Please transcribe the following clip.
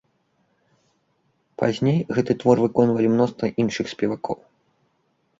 Пазней гэты твор выконвалі мноства іншых спевакоў.